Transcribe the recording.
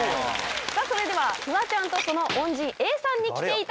さあそれではフワちゃんとその恩人Ａさんに来ていただきましたどうぞ！